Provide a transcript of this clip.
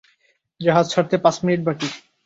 জাহাজ ছাড়তে পাঁচ মিনিট বাকি!